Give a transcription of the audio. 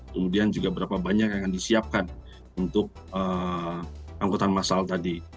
kemudian juga berapa banyak yang akan disiapkan untuk angkutan massal tadi